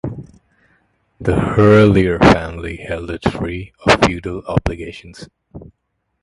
The Herlaer family held it free of feudal obligations.